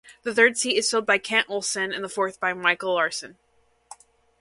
The third seat is filled by Kent Olsson, and the fourth by Mikael Larsson.